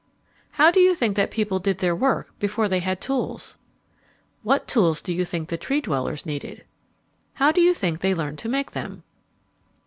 How do you think that people did their work before they had tools? What tools do you think the Tree dwellers needed? How do you think they learned to make them?